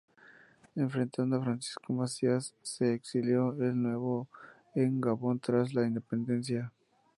Enfrentado a Francisco Macías, se exilió de nuevo en Gabón tras la independencia.